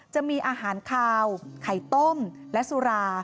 จะมีอาหารคาวไข่ต้มและสุรา